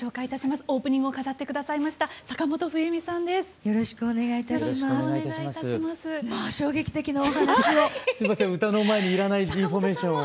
すいません歌の前に要らないインフォメーションを。